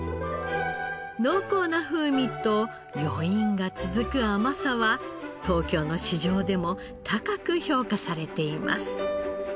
濃厚な風味と余韻が続く甘さは東京の市場でも高く評価されています。